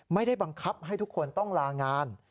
ไม่ได้บังคับให้ทุกคนต้องลางาน